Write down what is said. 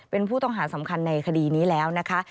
เป็นผู้ต้องหาสำคัญในคดีนี้แล้วนะคะ